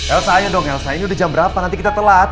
elsanya dong elsa ini udah jam berapa nanti kita telat